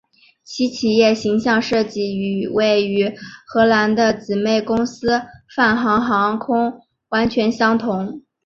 其企业形象设计与位于荷兰的姊妹公司泛航航空完全相同。